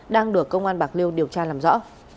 đang được công an bạc liêu điều tra làm rõ